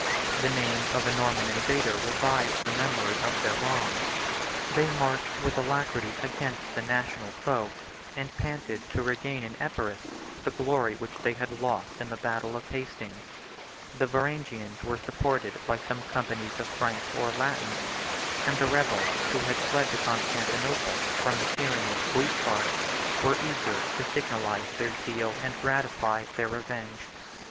70 The name of a Norman invader revived the memory of their wrongs: they marched with alacrity against the national foe, and panted to regain in Epirus the glory which they had lost in the battle of Hastings. The Varangians were supported by some companies of Franks or Latins; and the rebels, who had fled to Constantinople from the tyranny of Guiscard, were eager to signalize their zeal and gratify their revenge.